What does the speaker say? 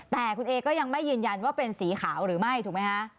แต่คุณเอก็ยังไม่ยืนยันว่าเป็นสีขาวหรือไม่ถูกไหมคะ